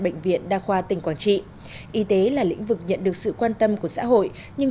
bệnh viện đa khoa tỉnh quảng trị y tế là lĩnh vực nhận được sự quan tâm của xã hội nhưng